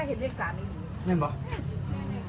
นี่นี่นี่นี่เลข๓แล้วนี่